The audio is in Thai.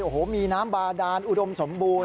โอ้โหมีน้ำบาดานอุดมสมบูรณ